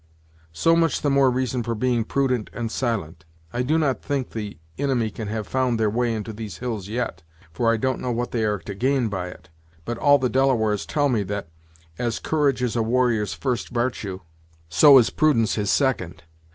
"So much the more reason for being prudent and silent. I do not think the inimy can have found their way into these hills yet, for I don't know what they are to gain by it, but all the Delawares tell me that, as courage is a warrior's first vartue, so is prudence his second.